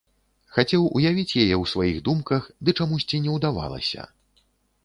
Хацеў уявіць яе ў сваіх думках, ды чамусьці не ўдавалася.